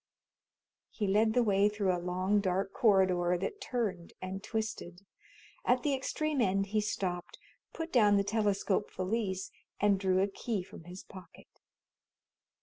He led the way through a long, dark corridor that turned and twisted. At the extreme end he stopped, put down the telescope valise, and drew a key from his pocket.